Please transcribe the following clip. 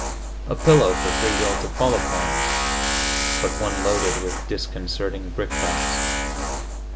A pillow for free will to fall upon but one loaded with disconcerting brickbats.